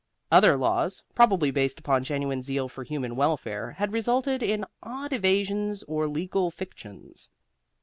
Other laws, probably based upon genuine zeal for human welfare, had resulted in odd evasions or legal fictions.